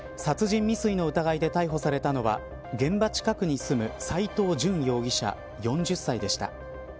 殺人未遂の疑いで逮捕されたのは現場近くに住む斎藤淳容疑者、４０歳でした。